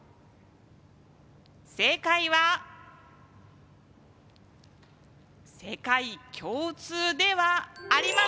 正解は世界共通ではありません。